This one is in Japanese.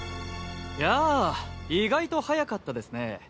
やあ意外と早かったですね。